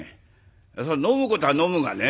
そりゃ飲むことは飲むがね。